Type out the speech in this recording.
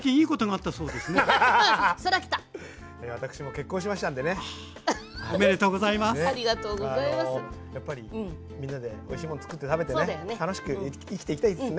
あのやっぱりみんなでおいしいもの作って食べてね楽しく生きていきたいですね。